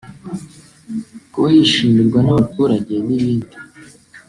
kuba yishimirwa n’abaturage n’ibindi